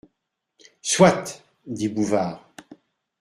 Soit ! dit Bouvard.